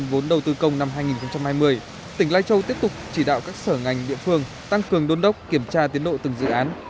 vốn đầu tư công năm hai nghìn hai mươi tỉnh lai châu tiếp tục chỉ đạo các sở ngành địa phương tăng cường đôn đốc kiểm tra tiến độ từng dự án